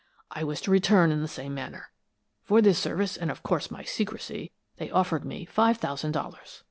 I was to return in the same manner. For this service, and of course my secrecy, they offered me five thousand dollars.